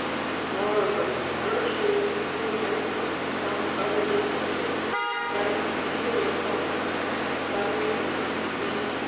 ^Moreover, virtues do admit some other differences, like peculiar colors, by reason of men's